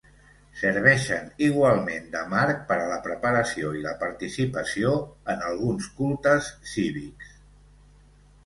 Serveixen igualment de marc per a la preparació i la participació en alguns cultes cívics.